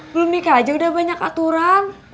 belum nikah aja udah banyak aturan